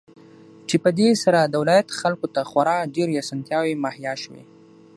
چې په دې سره د ولايت خلكو ته خورا ډېرې اسانتياوې مهيا شوې.